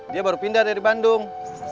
dia baru pindah dari bandung